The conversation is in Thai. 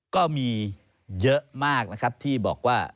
ก็มีเยอะมากนะครับที่บอกว่า